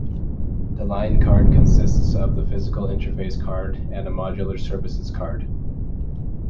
The Line card consists of the physical interface card and a modular services card.